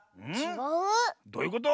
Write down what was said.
どういうこと？